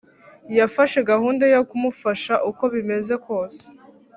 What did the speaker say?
yafashe gahunda yo kumufasha uko bimeze kose